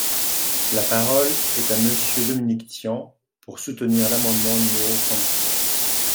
La parole est à Monsieur Dominique Tian, pour soutenir l’amendement numéro trente-trois.